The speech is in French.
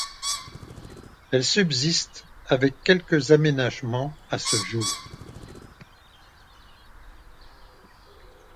Elle subsiste, avec quelques aménagements, à ce jour.